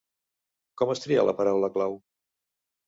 Com es tria la paraula clau?